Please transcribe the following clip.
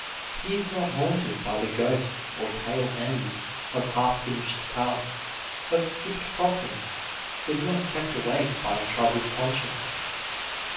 He is not haunted by the ghosts or tail ends of half finished tasks, of skipped problems; is not kept awake by a troubled conscience.